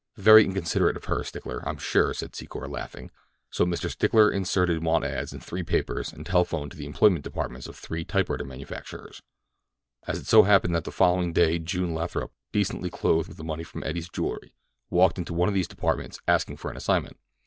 "Very inconsiderate of her, Stickler, I'm sure," said Secor, laughing. So Mr. Stickler inserted want ads in three papers and telephoned to the employment departments of three typewriter manufacturers. And it so happened that the following day June Lathrop, decently clothed with the money from Eddie's jewelry, walked into one of these departments, asking for an assignment.